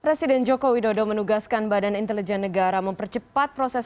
presiden joko widodo menugaskan badan intelijen negara mempercepat proses